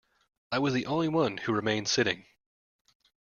I was the only one who remained sitting.